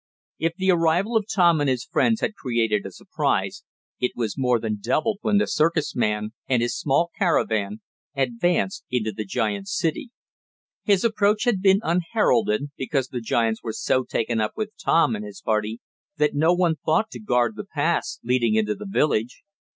If the arrival of Tom and his friends had created a surprise it was more than doubled when the circus man, and his small caravan, advanced into the giants' city. His approach had been unheralded because the giants were so taken up with Tom and his party that no one thought to guard the paths leading into the village.